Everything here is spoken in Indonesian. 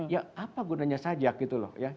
ya apa gunanya sajak gitu loh